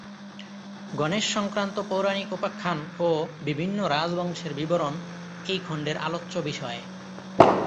গণেশ-সংক্রান্ত পৌরাণিক উপাখ্যান ও বিভিন্ন রাজবংশের বিবরণ এই খণ্ডের আলোচ্য বিষয়।